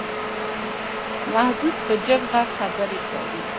محمود په جګ غږ خبرې کوي.